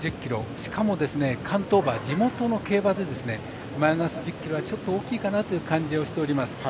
しかも、関東馬、地元の競馬でマイナス１０ｋｇはちょっと大きいかなという感じがしております。